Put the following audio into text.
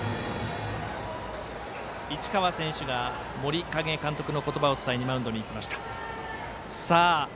市川選手が森影監督の言葉を伝えにマウンドに行きました。